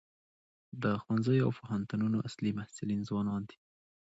د ښوونځیو او پوهنتونونو اصلي محصلین ځوانان دي.